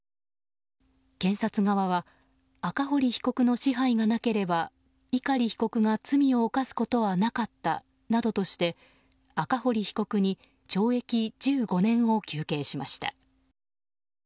検察側は赤堀被告の支配がなければ碇被告が罪を犯すことはなかったなどとして赤堀被告に懲役１５年を求刑しました。